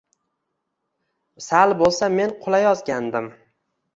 Sal bo‘lsa men qulayozgandim.